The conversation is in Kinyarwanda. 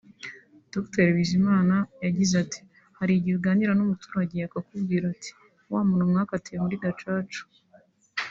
Dr Bizimana yagize ati “Hari igihe uganira n’umuturage akakubwira ati wa muntu mwakatiye muri Gacaca